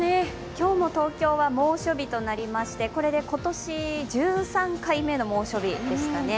今日も東京は猛暑日となりましてこれで今年１３回目の猛暑日でしたね。